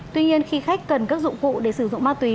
tuy nhiên khi khách cần các dụng cụ để sử dụng ma túy